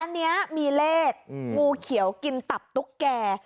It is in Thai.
อันนี้มีเลขงูเขียวกินตับตุ๊กแก่